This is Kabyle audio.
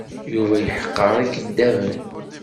Yuba yeḥqer ikeddaben.